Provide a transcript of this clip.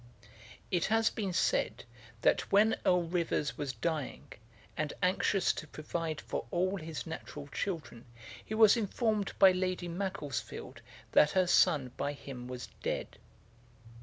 It has been said, that when Earl Rivers was dying, and anxious to provide for all his natural children, he was informed by Lady Macclesfield that her son by him was dead.